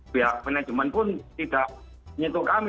pihak manajemen pun tidak menyentuh kami